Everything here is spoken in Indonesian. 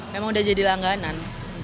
memang udah jadi langganan